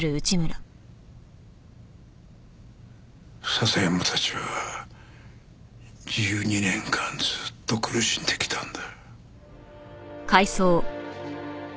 笹山たちは１２年間ずっと苦しんできたんだ。